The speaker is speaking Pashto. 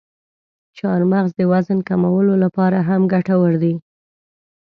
چارمغز د وزن کمولو لپاره هم ګټور دی.